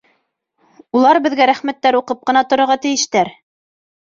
Улар беҙгә рәхмәттәр уҡып ҡына торорға тейештәр!